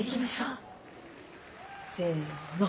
せの。